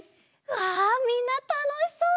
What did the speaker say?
わあみんなたのしそう！